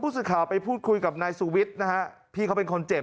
ผู้สุดข่าวไปพูดคุยกับนายสูวิชนะฮะพี่เขาเป็นคนเจ็บ